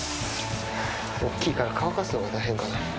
大きいから乾かすのが大変かな。